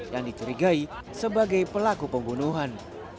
yang dicurigai sebagai pelaku pembunuhan